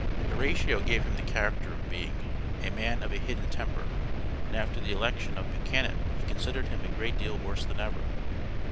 Horatio gave him the character of being "a man of a hidden temper," and after the election of Buchanan he considered him a great deal worse than ever.